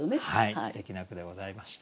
すてきな句でございました。